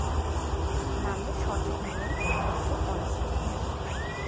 নামের সঠিক মূল অর্থ অনিশ্চিত।